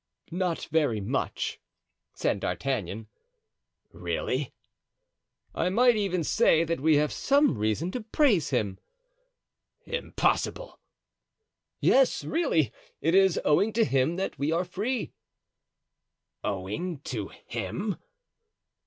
"Not very much," said D'Artagnan. "Really!" "I might even say that we have some reason to praise him." "Impossible!" "Yes, really; it is owing to him that we are free." "Owing to him?"